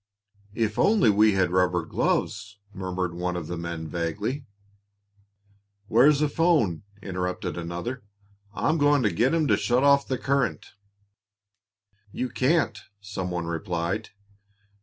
"If we only had rubber gloves " murmured one of the men, vaguely. "Where's a 'phone?" interrupted another. "I'm going to get 'em to shut off the current!" "You can't," some one replied.